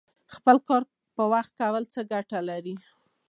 خپل کار په وخت کول څه ګټه لري؟